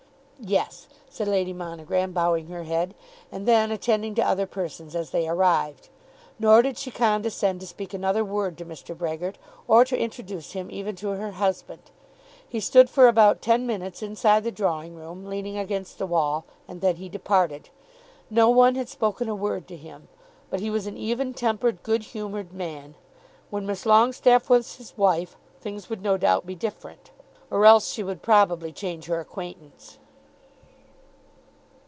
"Yes," said Lady Monogram, bowing her head, and then attending to other persons as they arrived. Nor did she condescend to speak another word to Mr. Brehgert, or to introduce him even to her husband. He stood for about ten minutes inside the drawing room, leaning against the wall, and then he departed. No one had spoken a word to him. But he was an even tempered, good humoured man. When Miss Longestaffe was his wife things would no doubt be different; or else she would probably change her acquaintance.